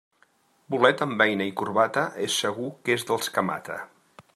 Bolet amb beina i corbata, és segur que és dels que mata.